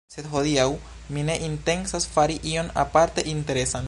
Sed, hodiaŭ mi ne intencas fari ion aparte interesan